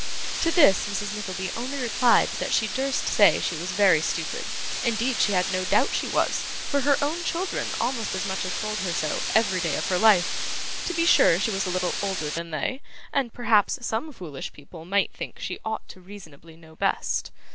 To this, Mrs. Nickleby only replied that she durst say she was very stupid, indeed she had no doubt she was, for her own children almost as much as told her so, every day of her life; to be sure she was a little older than they, and perhaps some foolish people might think she ought reasonably to know best.